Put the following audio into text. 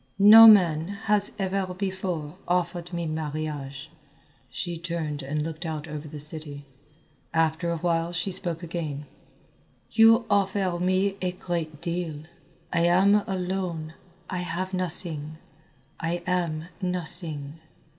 "No man has ever before offered me marriage." She turned and looked out over the city. After a while she spoke again. "You offer me a great deal. I am alone, I have nothing, I am nothing."